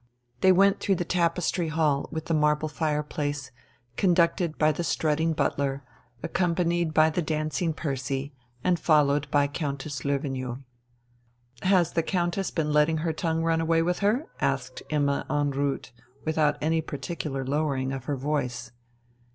They went through the tapestry hall with the marble fireplace, conducted by the strutting butler, accompanied by the dancing Percy, and followed by Countess Löwenjoul. "Has the Countess been letting her tongue run away with her?" asked Imma en route, without any particular lowering of her voice.